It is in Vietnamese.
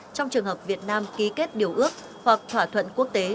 trong trường hợp việt nam ký kết điều ước hoặc thỏa thuận quốc tế